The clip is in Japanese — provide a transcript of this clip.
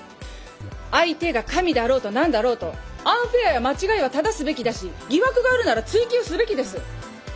相手が神だろうと何だろうとアンフェアや間違いは正すべきだし疑惑があるなら追及すべきです。